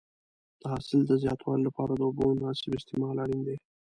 د حاصل د زیاتوالي لپاره د اوبو مناسب استعمال اړین دی.